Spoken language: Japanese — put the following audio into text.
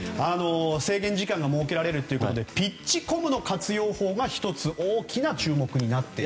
制限時間が設けられるということでピッチコムの活用法が大きな注目になっている。